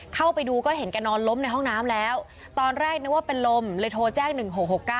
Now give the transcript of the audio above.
เข้าไปดูก็เห็นแกนอนล้มในห้องน้ำแล้วตอนแรกนึกว่าเป็นลมเลยโทรแจ้ง๑๖๖๙